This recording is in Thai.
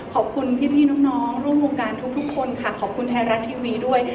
ขอบคุณพี่น้องร่วมวงการทุกคนค่ะขอบคุณไทยรัฐทีวีด้วย